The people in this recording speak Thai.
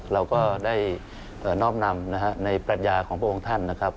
เราก็ได้น้อมนำในปรัชญาของพระองค์ท่านนะครับ